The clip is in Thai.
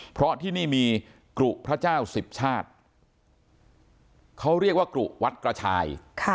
เพราะที่นี่มีกรุพระเจ้าสิบชาติเขาเรียกว่ากรุวัดกระชาย